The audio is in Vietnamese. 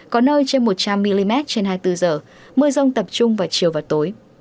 có nơi trên một trăm linh mm trên hai mươi bốn h mưa rông tập trung vào chiều và tối